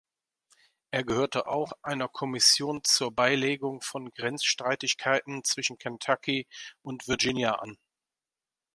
Er gehörte auch einer Kommission zur Beilegung von Grenzstreitigkeiten zwischen Kentucky und Virginia an.